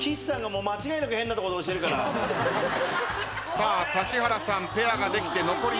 さあ指原さんペアができて残り２枚です。